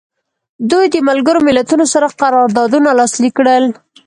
دوی د ملګرو ملتونو سره قراردادونه لاسلیک کړل.